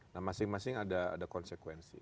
nah masing masing ada konsekuensi